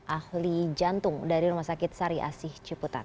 ahli jantung dari rumah sakit sari asih ciputat